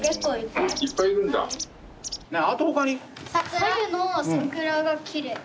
春の桜がきれい。